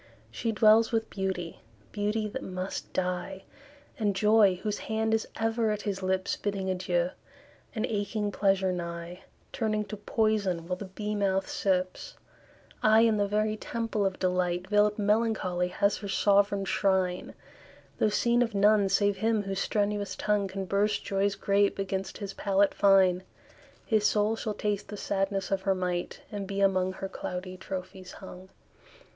She dwells with Beauty Beauty that must die; And Joy, whose hand is ever at his lips Bidding adieu; and aching Pleasure nigh, Turning to Poison while the bee mouth sips: Ay, in the very temple of delight Veil'd Melancholy has her sovran shrine, Though seen of none save him whose strenuous tongue Can burst Joy's grape against his palate fine; His soul shall taste the sadness of her might, And be among her cloudy trophies hung.